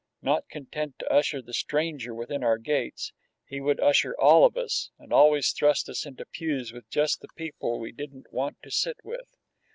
Not content to usher the stranger within our gates, he would usher all of us, and always thrust us into pews with just the people we didn't want to sit with.